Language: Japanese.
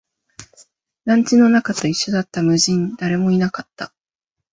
団地の中と一緒だった、無人、誰もいなかった